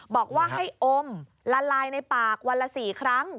บอกว่าให้อมละลายในปากวันละ๔ครั้ง